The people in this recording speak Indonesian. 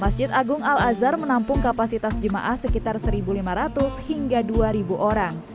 masjid agung al azhar menampung kapasitas jemaah sekitar satu lima ratus hingga dua orang